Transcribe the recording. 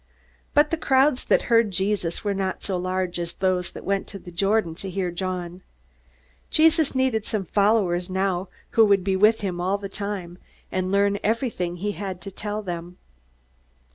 But the crowds that heard Jesus were not so large as those that went to the Jordan to hear John. Jesus needed some followers now who would be with him all the time, and learn everything he had to tell them.